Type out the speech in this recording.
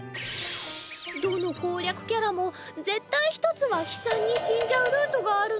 どの攻略キャラも絶対一つは悲惨に死んじゃうルートがあるの。